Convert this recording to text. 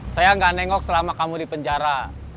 saya nggak nengok selama kamu di penjara